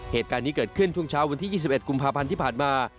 เหตุการณ์นี้เกิดขึ้นช่วงเช้าวันที่๒๑กุมภาพันธ์ที่ผ่านมา